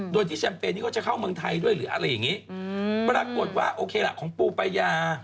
โดยที่แชมเปญนี้ก็จะเข้าเมืองไทยด้วยหรืออะไรอย่างนี้ปรากฏว่าโอเคล่ะของปูปายา